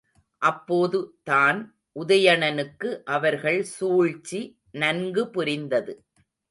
அப்போது தான் உதயணனுக்கு அவர்கள் சூழ்ச்சி நன்கு புரிந்தது.